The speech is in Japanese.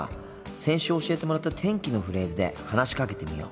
先週教えてもらった天気のフレーズで話しかけてみよう。